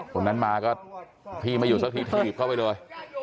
คนนั้นมาก็พี่ไม่อยู่สักทีถีบเข้าไปเลย